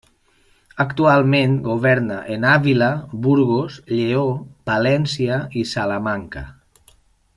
Actualment governa en Àvila, Burgos, Lleó, Palència i Salamanca.